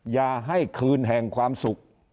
อย่าให้คืนแห่งความสุข